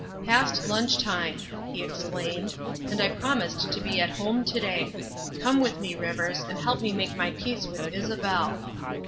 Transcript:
" Past lunch time," he exclaimed, " and I promised to be at home to day. Come with me, Rivers, and help me make my peace with Isabel."